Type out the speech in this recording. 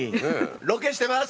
ロケしてます！